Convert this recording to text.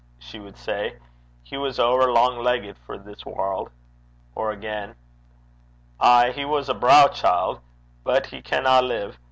she would say, 'he was ower lang leggit for this warld.' Or again: 'Ay, he was a braw chield. But he canna live.